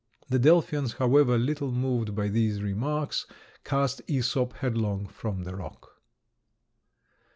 The Delphians, however, little moved by these remarks, cast Æsop headlong from the rock.